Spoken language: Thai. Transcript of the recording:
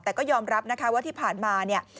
แต่ก็ยอมรับนะคะว่าที่ผ่านมาเนี่ย